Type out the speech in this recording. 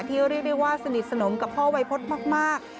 เรียกได้ว่าสนิทสนมกับพ่อวัยพฤษมาก